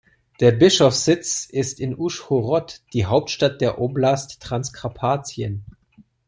Der Bischofssitz ist in Uschhorod, die Hauptstadt der Oblast Transkarpatien.